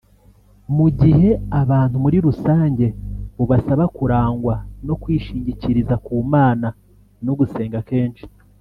mu gihe abantu muri rusange bubasaba kurangwa no kwishingikiriza ku mana no gusenga kenshi